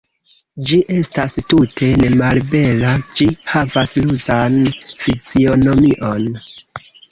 Ĝi estas tute nemalbela, ĝi havas ruzan fizionomion.